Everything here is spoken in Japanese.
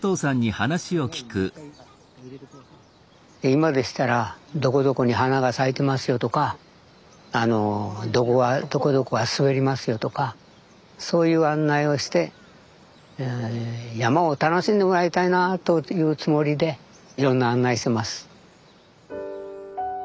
今でしたらどこどこに花が咲いてますよとかどこがどこどこが滑りますよとかそういう案内をして山を楽しんでもらいたいなというつもりでいろんな案内してます。